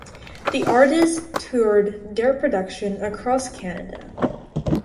The artists toured their production across Canada.